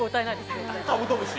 絶対「カブトムシ」